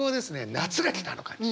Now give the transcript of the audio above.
夏が来たあの感じ。